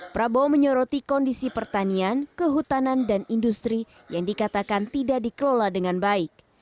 prabowo menyoroti kondisi pertanian kehutanan dan industri yang dikatakan tidak dikelola dengan baik